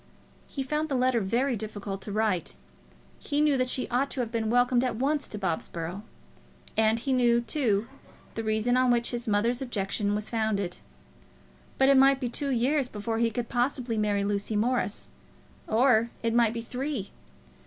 He found the letter very difficult to write. He knew that she ought to have been welcomed at once to Bobsborough. And he knew, too, the reason on which his mother's objection was founded. But it might be two years before he could possibly marry Lucy Morris; or it might be three.